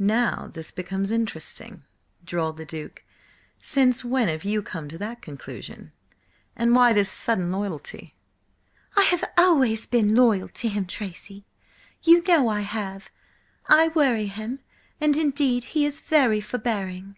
"Now this becomes interesting," drawled the Duke. "Since when have you come to that conclusion? And why this sudden loyalty?" "I have always been loyal to him, Tracy! You know I have! I worry him–and indeed he is very forbearing."